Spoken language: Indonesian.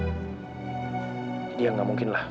jadi nggak mungkin lah